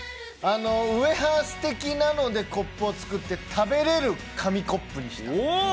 ウエハース的なのでコップを作って、食べられる紙コップにした。